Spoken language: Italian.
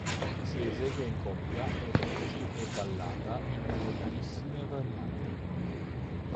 Si esegue in coppia ed oggi è ballata in moltissime varianti.